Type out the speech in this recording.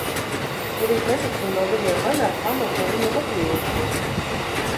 Ja rīt netiksim no viņiem vaļā, kā mēs no viņiem atbrīvosimies?